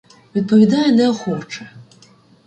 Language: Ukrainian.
Відповідає неохоче.